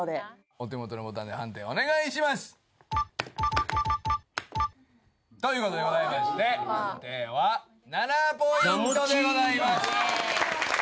お手元のボタンで判定お願いします！ということでございまして判定は７ｐｔでございます。